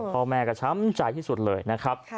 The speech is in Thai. พ่อแม่ก็ช้ำใจที่สุดเลยนะครับ